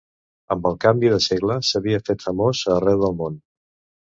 Amb el canvi de segle, s'havia fet famós a arreu del món.